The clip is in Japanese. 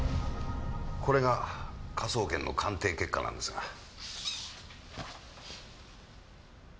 これが科捜研の鑑定結果なんですが。